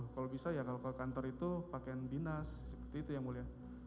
kalau bisa ya kalau ke kantor itu pakaian binas seperti itu ya mulia